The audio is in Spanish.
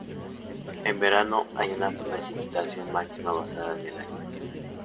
En verano hay una precipitación máxima basada en el año.